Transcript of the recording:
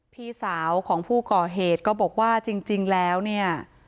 พี่สาวของผู้ก่อเหตุก็บอกว่าจริงแล้วเนี่ย